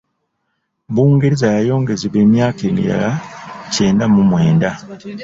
Bungereza yayongezebwa emyaka emirala kyenda mu mwenda.